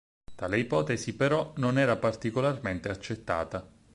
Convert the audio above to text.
Tale ipotesi, però, non era particolarmente accettata.